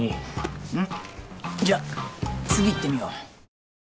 うんじゃあ次いってみよう。